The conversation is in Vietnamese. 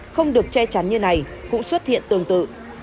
không được che chắn như này cũng xuất hiện tương tự